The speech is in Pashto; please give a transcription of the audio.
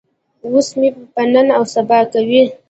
اوس مې په نن او سبا کوي.